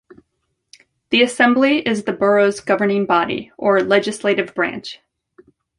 The assembly is the borough's governing body, or legislative branch.